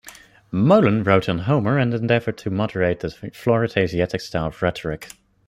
Molon wrote on Homer and endeavored to moderate the florid Asiatic style of rhetoric.